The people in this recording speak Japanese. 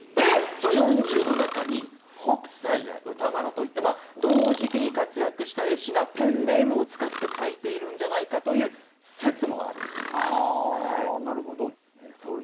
その４０の中に北斎や歌麿といったまあ同時期に活躍した絵師がペンネームを使って描いているんじゃないかという説もあるんです。